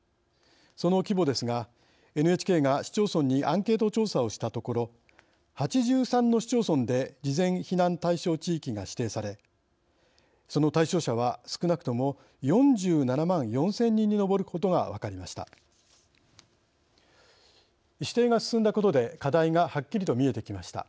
その規模ですがＮＨＫが市町村にアンケート調査をしたところ８３の市町村で事前避難対象地域が指定されその対象者は少なくとも４７万４０００人に上ることが分かりました。